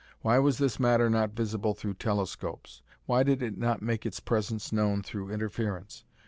Why was this matter not visible through telescopes? Why did it not make its presence known through interference?